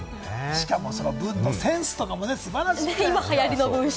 しかも文のセンスとかも素晴らしいですね。